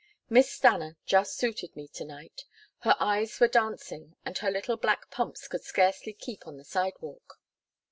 Miss Stanna just suited me to night. Her eyes were dancing, and her little black pumps could scarcely keep on the sidewalk.